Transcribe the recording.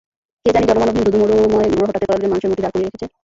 কে জানি জনমানবহীন ধু ধু মরুময় গ্রহটাতে কয়েকটা মানুষের মূর্তি দাঁড় করিয়ে রেখেছে।